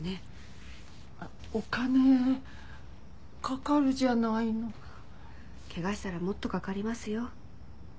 お金かかるじゃないの。怪我したらもっとかかりますよ。